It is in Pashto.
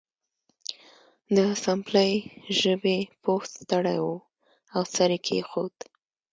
د اسامبلۍ ژبې پوه ستړی و او سر یې کیښود